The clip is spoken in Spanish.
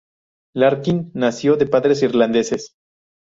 Larkin nació de padres irlandeses.